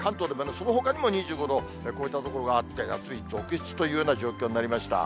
関東でも、そのほかでも２５度の所があって夏日続出というような状態になりました。